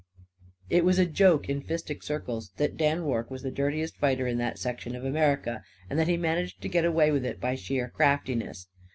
It was a joke in fistic circles that Dan Rorke was the dirtiest fighter in that section of America; and that he managed to get away with it by sheer craftiness.